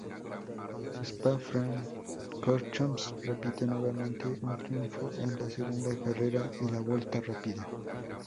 En Spa-Francorchamps repite nuevamente un triunfo en la segunda carrera y la vuelta rápida.